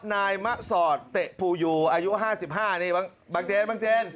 นายมะสอดเตะปูยูอายุ๕๕นี่บางเจน